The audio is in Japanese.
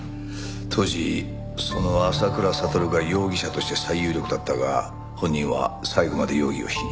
当時その浅倉悟が容疑者として最有力だったが本人は最後まで容疑を否認。